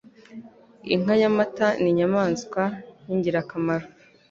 Inka y'amata ni inyamaswa y'ingirakamaro.